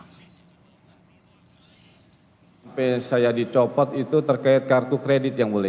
sampai saya dicopot itu terkait kartu kredit yang mulia